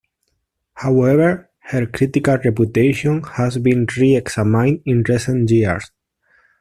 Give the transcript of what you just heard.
However, her critical reputation has been re-examined in recent years.